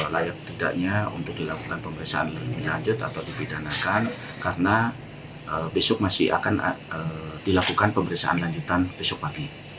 layak tidaknya untuk dilakukan pemeriksaan lebih lanjut atau dipidanakan karena besok masih akan dilakukan pemeriksaan lanjutan besok pagi